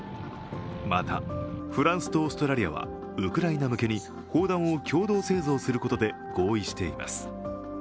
また、フランスとオーストラリアはウクライナ向けに砲弾を共同製造することで合意しています。